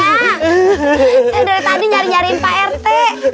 saya dari tadi nyari nyariin pak rt